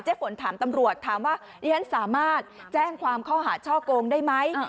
ฝนถามตำรวจถามว่าดิฉันสามารถแจ้งความข้อหาช่อโกงได้ไหม